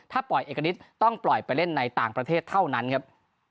ถ้าปล่อยเอกณิตต้องปล่อยไปเล่นในต่างประเทศเท่านั้นครับ